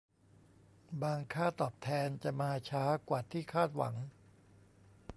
บางค่าตอบแทนจะมาช้ากว่าที่คาดหวัง